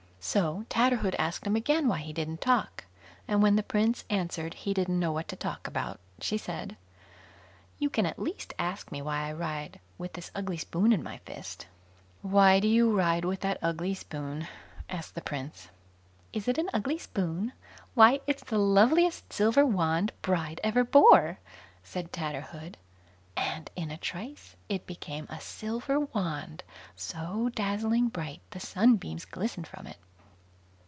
So Tatterhood asked him again why he didn't talk, and when the Prince answered he didn't know what to talk about, she said: "You can at least ask me why I ride with this ugly spoon in my fist." "Why do you ride with that ugly spoon? "asked the prince. "Is it an ugly spoon? why, it's the loveliest silver wand bride ever bore", said Tatterhood; and in a trice it became a silver wand, so dazzling bright, the sunbeams glistened from it.